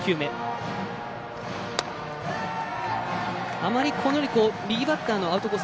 あまり右バッターのアウトコース